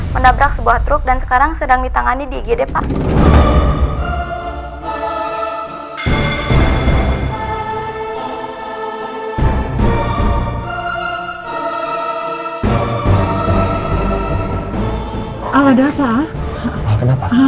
menabrak sebuah truk dan sekarang sedang ditangani di igd pak